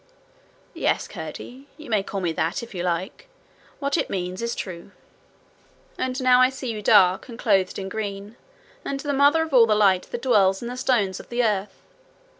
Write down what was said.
'Yes, Curdie; you may call me that if you like. What it means is true.' 'And now I see you dark, and clothed in green, and the mother of all the light that dwells in the stones of the earth!